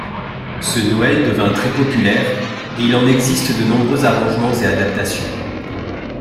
Ce Noël devint très populaire et il en existe de nombreux arrangements et adaptations.